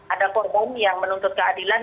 ada korban yang menuntut keadilan